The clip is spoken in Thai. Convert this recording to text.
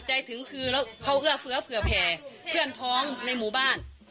ใจถึงคือแล้วเขาเอื้อเฟื้อเผื่อแผ่เพื่อนพ้องในหมู่บ้าน